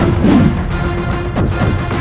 aku akan mencari dia